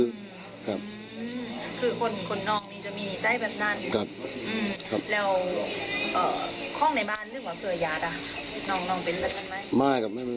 น้องเพิ่งทำไม